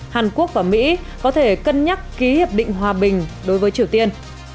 hàn quốc và mỹ có thể cân nhắc ký hiệp định hòa bình đối với triều tiên